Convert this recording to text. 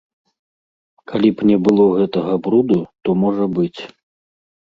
Калі б не было гэтага бруду, то можа быць.